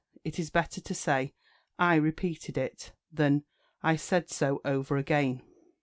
It is better to say "I repeated it," than "I said so over again."